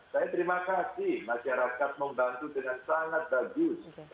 saya terima kasih masyarakat membantu dengan sangat bagus